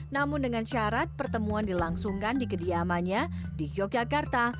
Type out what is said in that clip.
namun dengan syarat pertemuan dilangsungkan di kediamannya di yogyakarta